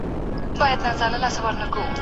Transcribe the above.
تاسو به له خپلو ګاونډیانو سره ښه چلند کوئ.